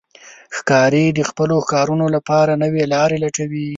ښکاري د خپلو ښکارونو لپاره نوې لارې لټوي.